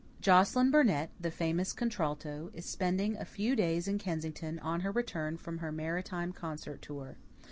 "Joscelyn Burnett, the famous contralto, is spending a few days in Kensington on her return from her Maritime concert tour.